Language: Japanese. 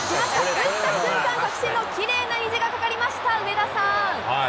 打った瞬間、キレイな虹がかかりました、上田さん！